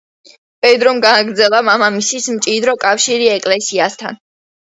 პედრომ გააგრძელა მამამისის მჭიდრო კავშირი ეკლესიასთან.